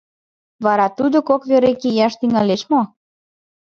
Вара Тудо кок вере кияш тӱҥалеш мо?